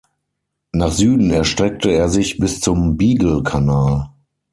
Nach Süden erstreckte er sich bis zum Beagle-Kanal.